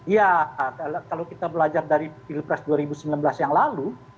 ya kalau kita belajar dari pilpres dua ribu sembilan belas yang lalu